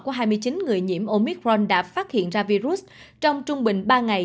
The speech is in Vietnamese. của hai mươi chín người nhiễm omicron đã phát hiện ra virus trong trung bình ba ngày